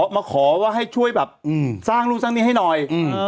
พูดเรื่องนี้หน่อย